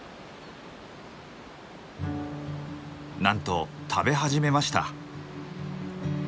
なんと食べ始めました。